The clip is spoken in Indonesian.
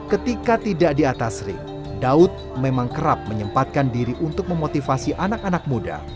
ketika tidak di atas ring daud memang kerap menyempatkan diri untuk memotivasi anak anak muda